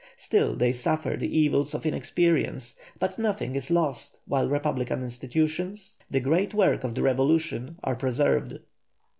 Still they suffer the evils of inexperience, but nothing is lost while republican institutions, the great work of the revolution, are preserved.